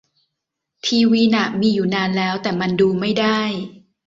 ทีวีน่ะมีอยู่นานแล้ว แต่มันดูไม่ได้